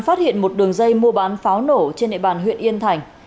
phát hiện một đường dây mua bán pháo nổ trên địa bàn huyện yên thành